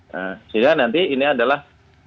sehingga nanti ini adalah